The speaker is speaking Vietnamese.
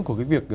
của cái việc